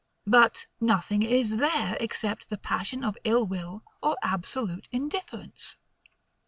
But nothing is there, except the passion of ill will or absolute indifference.